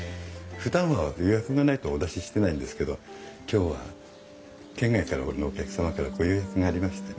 ふだんは予約がないとお出ししてないんですけど今日は県外からのお客様からご予約がありまして。